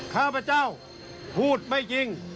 ข้าพเจ้าพูดไม่จริง